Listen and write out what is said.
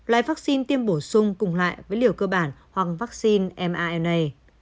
loại vaccine tiêm bổ sung cùng lại với liều cơ bản hoặc vaccine nan